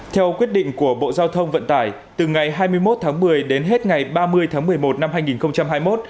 theo quyết định của bộ giao thông vận tải từ ngày hai mươi một tháng một mươi đến hết ngày ba mươi tháng một mươi một năm hai nghìn hai mươi một